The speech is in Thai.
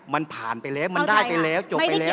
มันผ่านไปแล้วมันได้ไปแล้วจบไปแล้ว